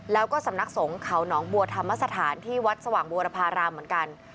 แล้วก็สำนักสงฆ์เขาหนองบัวธรรมสถานที่วัดสว่างบวรภารามเหมือนกัน